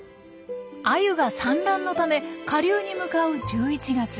アユが産卵のため下流に向かう１１月。